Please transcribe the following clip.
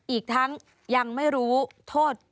อีกทั้งยังไม่รู้โทษ